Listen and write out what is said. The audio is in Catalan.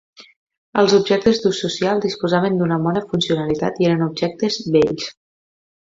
Els objectes d'ús social disposaven d'una bona funcionalitat i eren objectes bells.